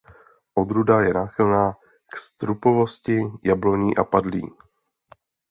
Odrůda je náchylná k strupovitosti jabloní a padlí.